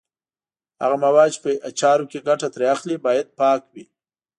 هغه مواد چې په اچارو کې ګټه ترې اخلي باید پاک وي.